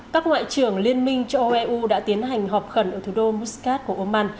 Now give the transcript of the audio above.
các ngoại trưởng liên minh châu âu eu đã tiến hành họp khẩn ở thủ đô muscat của oman